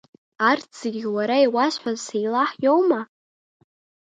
Арҭ зегьы уара иуазҳәаз Сеилаҳ иоума?